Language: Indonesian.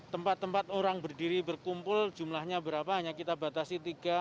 tempat tempat orang berdiri berkumpul jumlahnya berapa hanya kita batasi tiga